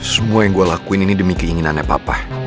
semua yang gue lakuin ini demi keinginannya papa